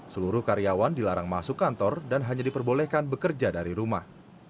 seluruh karyawan dilarang masuk kantor dan hanya diperbolehkan bekerja dari rumah